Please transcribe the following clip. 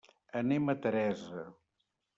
Anem a Teresa.